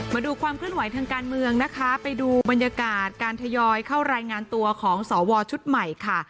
มาดูความเคลื่อนไหวทางการเมืองนะคะไปดูบรรยากาศการทยอยเข้ารายงานตัวของสวชุดใหม่ค่ะ